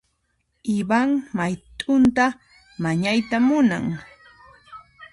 Ivan mayt'unta mañayta munan.